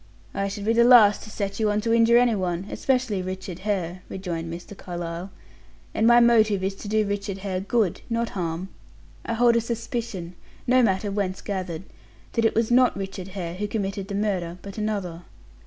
"I should be the last to set you on to injure any one, especially Richard Hare," rejoined Mr. Carlyle; "and my motive is to do Richard Hare good, not harm. I hold a suspicion, no matter whence gathered, that it was not Richard Hare who committed the murder, but another.